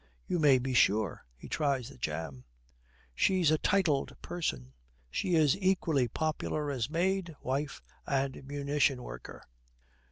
'You may be sure.' He tries the jam. 'She's a titled person. She is equally popular as maid, wife and munition worker.'